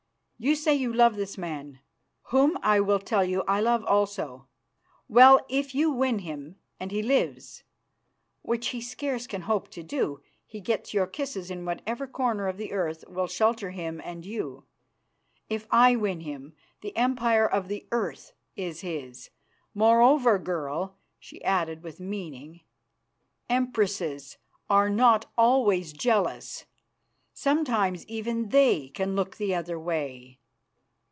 You say you love this man, whom I will tell you I love also. Well, if you win him, and he lives, which he scarce can hope to do, he gets your kisses in whatever corner of the earth will shelter him and you. If I win him, the empire of the earth is his. Moreover, girl," she added with meaning, "empresses are not always jealous; sometimes even they can look the other way.